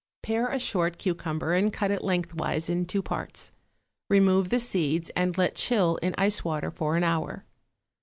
= Pare a short cucumber and cut it lengthwise in two parts; remove the seeds and let chill in ice water for an hour.